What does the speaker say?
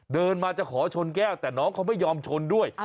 เดินมาจะขอชนแก้วแต่น้องเขาไม่ยอมชนด้วย